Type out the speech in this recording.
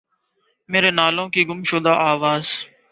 میرے نالوں کی گم شدہ آواز